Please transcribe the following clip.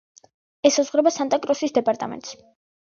ესაზღვრება სანტა-კრუსის დეპარტამენტს.